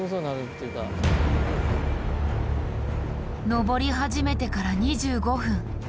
上り始めてから２５分。